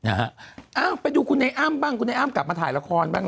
อืมไปดูคุณเนไอนบ้างกุ้นเนไอนอ้ำกลับมาถ่ายละครบ้าง